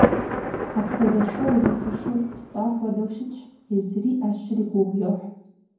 Апхуэдэ шэр зэпышу, пцӀа хуэдэу щытщ, езы Ӏэщри гугъу йохь.